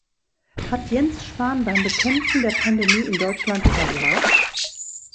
Hat Jens Spahn beim Bekämpfen der Pandemie in Deutschland versagt?